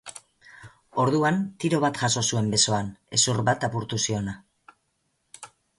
Orduan, tiro bat jaso zuen besoan, hezur bat apurtu ziona.